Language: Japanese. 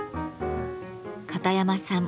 片山さん